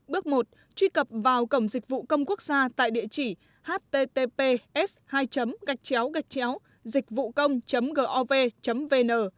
bước một truy cập vào cầm dịch vụ cầm quốc gia tại địa chỉ http dịchvucong gov vn